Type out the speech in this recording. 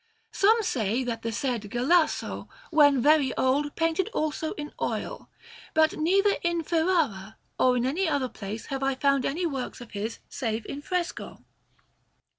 Some say that the said Galasso, when very old, painted also in oil, but neither in Ferrara nor in any other place have I found any works of his save in fresco.